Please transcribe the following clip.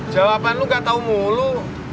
jawaban lu gak tau mulu